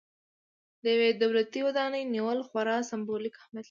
د یوې دولتي ودانۍ نیول خورا سمبولیک اهمیت لري.